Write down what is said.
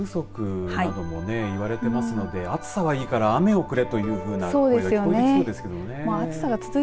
今、水不足などもいわれていますので暑さはいいから雨をくれというふうな声が聞こえてきそうですけどね。